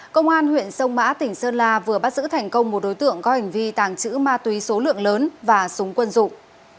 công an huyện sông mã tỉnh sơn la vừa bắt giữ thành công một đối tượng có hành vi tàng trữ ma túy số lượng lớn và súng quân dụng